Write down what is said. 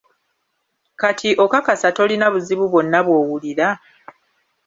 Kati okakasa tolina buzibu bwonna bw’owulira?